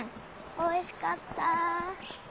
おいしかった。